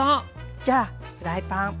じゃあフライパン。